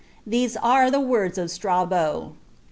These are the words of Strabo. 5.